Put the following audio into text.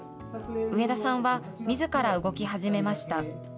上田さんはみずから動き始めました。